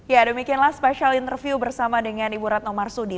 ya demikianlah special interview bersama dengan ibu ratno marsudi